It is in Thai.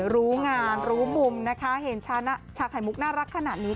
รู้งานรู้มุมนะคะเห็นชาไข่มุกน่ารักขนาดนี้